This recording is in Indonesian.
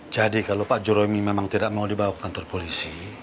jadi kalau pak juremi memang tidak mau dibawa ke kantor polisi